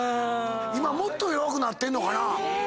今もっと弱くなってんのかな。